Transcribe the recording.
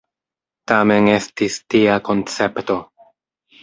Tamen estis tia koncepto.